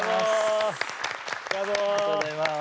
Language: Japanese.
ありがとうございます。